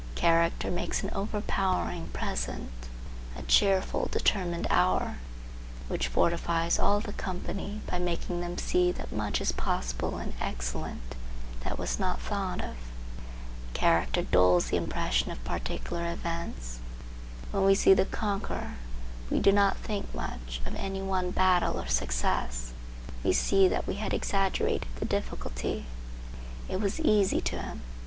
Character makes an overpowering present; a cheerful, determined hour, which fortifies all the company by making them see that much is possible and excellent that was not thought of. Character dulls the impression of particular events. When we see the conqueror we do not think much of any one battle or success. We see that we had exaggerated the difficulty. It was easy to him.